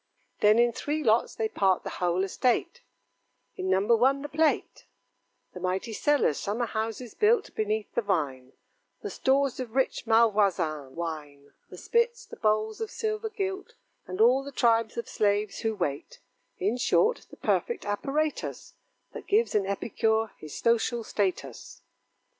Then in three lots they part the whole estate: In number one the plate; The mighty cellars; summer houses built Beneath the vine; The stores of rich Malvoisin wine; The spits, the bowls of silver gilt, And all the tribes of slaves who wait; In short, the perfect apparatus, That gives an epicure his social status.